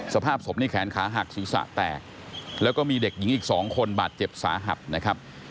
สภาพศพนี่แขนขาหักศีรษะแตกแล้วก็มีเด็กหญิงอีก๒คนบาดเจ็บสาหัสนะครับ